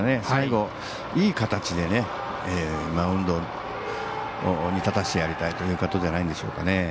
最後、いい形でマウンドに立たせてやりたいということじゃないですかね。